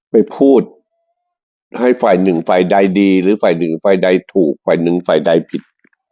ไปพูดให้ฝ่ายหนึ่งฝ่ายใดดีหรือฝ่ายหนึ่งฝ่ายใดถูกฝ่ายหนึ่งฝ่ายใดผิด